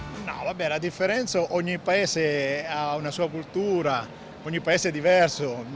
setelah berlalu berjalan di indonesia mereka sudah berpikir bahwa mereka akan menemukan suatu kulturnya yang berbeda